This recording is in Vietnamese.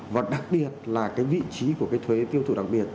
và đặc biệt là cái vị trí của cái thuế tiêu thụ đặc biệt